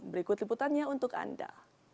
berikut liputannya untuk anda